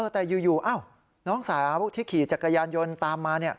แต่อยู่น้องสาวที่ขี่จักรยานยนต์ตามมา